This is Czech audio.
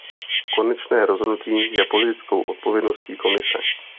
Konečné rozhodnutí je politickou odpovědností Komise.